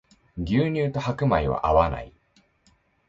牛乳と白米は合わない